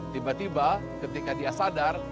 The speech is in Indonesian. tiba tiba ketika dia sadar